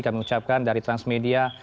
kami ucapkan dari transmedia